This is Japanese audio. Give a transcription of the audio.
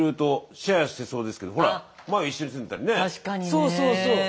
そうそうそう。